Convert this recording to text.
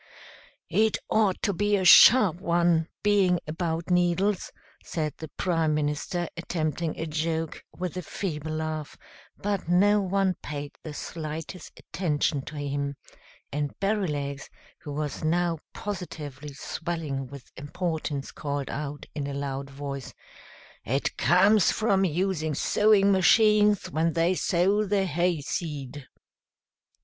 "It ought to be a sharp one, being about needles," said the Prime Minister, attempting a joke, with a feeble laugh, but no one paid the slightest attention to him; and Berrylegs, who was now positively swelling with importance, called out, in a loud voice, "It comes from using sewing machines when they sow the hay seed!"